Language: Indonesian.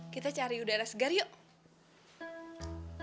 kita cari udara segar yuk